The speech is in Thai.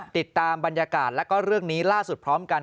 ติดตามบรรยากาศแล้วก็เรื่องนี้ล่าสุดพร้อมกัน